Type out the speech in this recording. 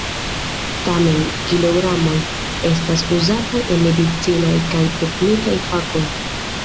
Tamen, kilogramoj estas uzataj en medicinaj kaj teknikaj fakoj.